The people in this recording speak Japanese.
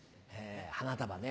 花束ね